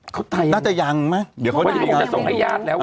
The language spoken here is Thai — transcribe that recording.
ก็จะอย่างไหมเดี๋ยวพวกเขาจะส่งให้ยาดแล้ว